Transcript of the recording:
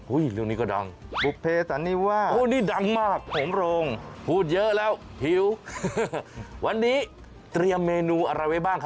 อุ๊ยเรื่องนี้ก็ดัง